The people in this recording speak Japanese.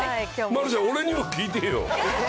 丸ちゃん、俺にも聞いてよ。